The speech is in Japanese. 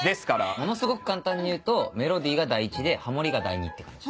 ものすごく簡単に言うとメロディーが第１でハモりが第２って感じ。